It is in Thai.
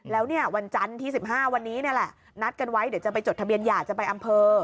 แล้วเนี่ยวันจันทร์ที่๑๕วันนี้นี่แหละนัดกันไว้เดี๋ยวจะไปจดทะเบียนหย่าจะไปอำเภอ